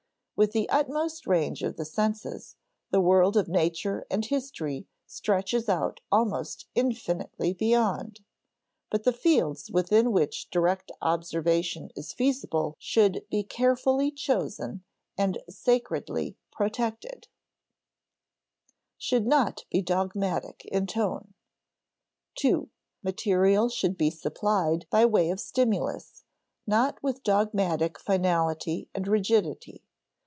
With the utmost range of the senses, the world of nature and history stretches out almost infinitely beyond. But the fields within which direct observation is feasible should be carefully chosen and sacredly protected. [Sidenote: should not be dogmatic in tone,] (ii) Material should be supplied by way of stimulus, not with dogmatic finality and rigidity.